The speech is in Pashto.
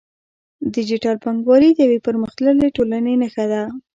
ډیجیټل بانکوالي د یوې پرمختللې ټولنې نښه ده.